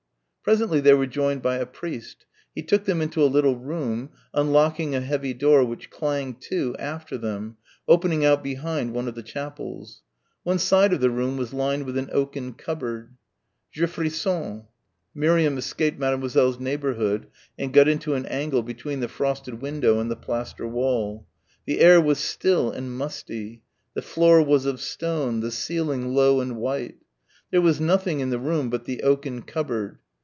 Presently they were joined by a priest. He took them into a little room, unlocking a heavy door which clanged to after them, opening out behind one of the chapels. One side of the room was lined with an oaken cupboard. "Je frissonne." Miriam escaped Mademoiselle's neighbourhood and got into an angle between the frosted window and the plaster wall. The air was still and musty the floor was of stone, the ceiling low and white. There was nothing in the room but the oaken cupboard.